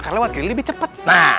karena lewat kiri lebih cepat